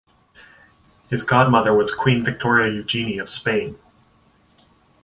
His godmother was Queen Victoria Eugenie of Spain.